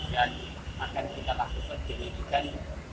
dan akan kita lakukan pemeriksaan